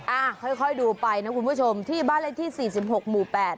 อ่าค่อยดูไปนะคุณผู้ชมที่บ้านละที่๔๖หมู่๘